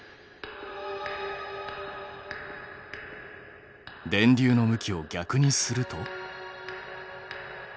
電流の向きを逆にすると。